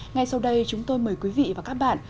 ngay sau đây chúng tôi mời quý vị và các bạn